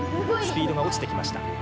スピードが落ちてきました。